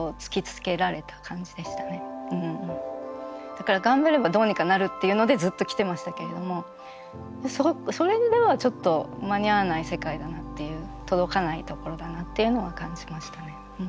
だから頑張ればどうにかなるっていうのでずっと来てましたけれどもそれではちょっと間に合わない世界だなっていう届かないところだなっていうのは感じましたね。